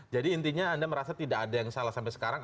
jadi intinya anda merasa tidak ada yang salah sampai sekarang